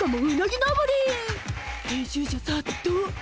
編集者さっとう。